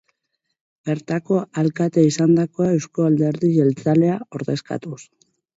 Bertako alkate izandakoa Eusko Alderdi Jeltzalea ordezkatuz.